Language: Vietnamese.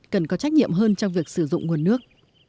cần có trách nhiệm hơn trong việc sử dụng nguồn nước